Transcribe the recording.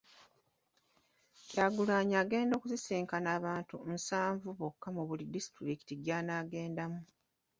Kyagulanyi agenda kusisinkana abantu nsanvu bokka mu buli disitulikiti gy'anaagendamu.